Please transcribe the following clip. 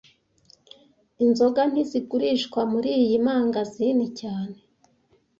Inzoga ntizigurishwa muriyi mangazini cyane